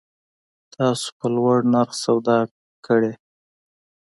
تاسو په لوړ نرخ سودا کړی